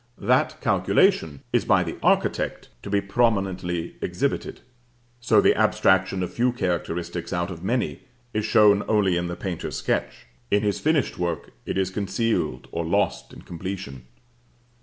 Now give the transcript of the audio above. That calculation is by the architect to be prominently exhibited. So the abstraction of few characteristics out of many is shown only in the painter's sketch; in his finished work it is concealed or lost in completion.